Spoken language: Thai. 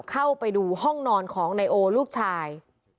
เข้าไปดูห้องนอนของนายโอลูกชาย